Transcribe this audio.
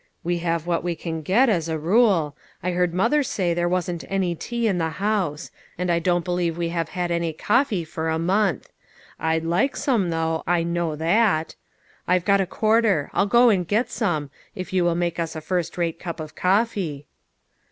" We have what we can get, as a rule. I heard mother say there wasn't any tea in the house. And I don't believe we have had any coffee for a month. I'd like some, though ; I know that. I've got a quarter ; I'll go and get some, if you will make us a first rate cup of coffee."